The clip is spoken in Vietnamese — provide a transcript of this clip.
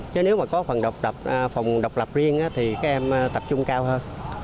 chứ nếu mà có phòng độc lập riêng thì các em tập trung cao hơn